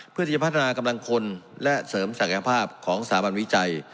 เพื่อที่จะพัฒนากำลังคนและเสริมศักยภาพของสถาบันวิจัย